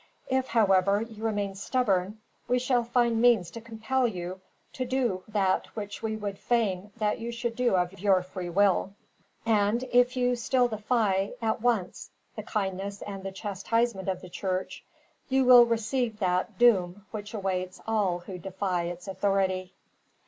If, however, you remain stubborn, we shall find means to compel you to do that which we would fain that you should do of your free will; and if you still defy, at once, the kindness and the chastisement of the church, you will receive that doom which awaits all who defy its authority."